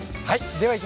はい。